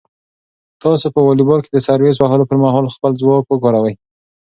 تاسو په واليبال کې د سرویس وهلو پر مهال خپل ځواک وکاروئ.